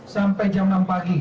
sampai jam enam pagi